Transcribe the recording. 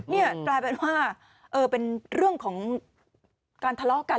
นี่กลายเป็นว่าเป็นเรื่องของการทะเลาะกัน